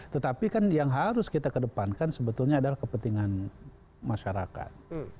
tetapi kan yang harus kita kedepankan sebetulnya adalah kepentingan masyarakat